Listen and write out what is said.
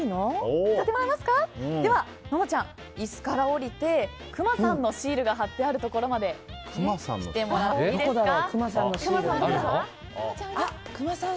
では、ののちゃん椅子から降りてくまさんのシールが貼ってあるところまで行ってもらっていいですか。